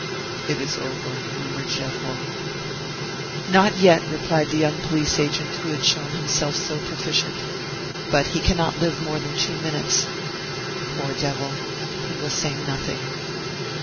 "It is over," murmured Gevrol. "Not yet," replied the young police agent, who had shown himself so proficient; "but he can not live more than two minutes. Poor devil! he will say nothing."